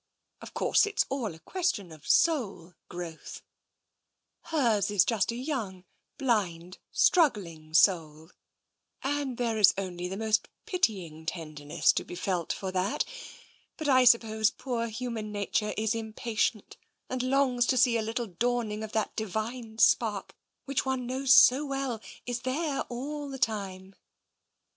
Of course it's all a question of soul growth — hers is just a young, blind, struggling soul, and there is only the most pitying tenderness to be felt for that, but I suppose poor human nature is impatient, and longs to see a little dawning of that Divine Spark which one knows so well is there all the time."